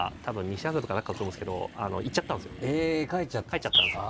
帰っちゃったんですか？